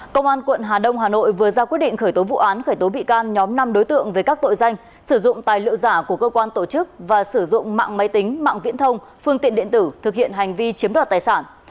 công an quận hà đông hà nội vừa ra quyết định khởi tố vụ án khởi tố bị can nhóm năm đối tượng về các tội danh sử dụng tài liệu giả của cơ quan tổ chức và sử dụng mạng máy tính mạng viễn thông phương tiện điện tử thực hiện hành vi chiếm đoạt tài sản